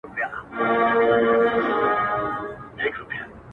ستا غمونه مي د فكر مېلمانه سي،